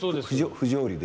不条理で。